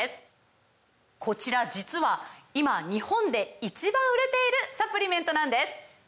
こちら実は今日本で１番売れているサプリメントなんです！